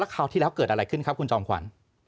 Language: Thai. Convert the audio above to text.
คราวที่แล้วเกิดอะไรขึ้นครับคุณจอมขวัญ